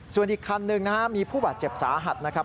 ส่วนอีกคันหนึ่งนะฮะมีผู้บาดเจ็บสาหัสนะครับ